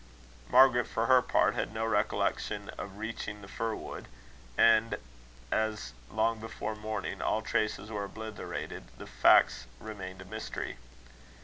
Margaret, for her part, had no recollection of reaching the fir wood, and as, long before morning, all traces were obliterated, the facts remained a mystery.